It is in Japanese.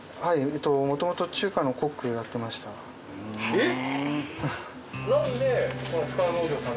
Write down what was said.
えっ？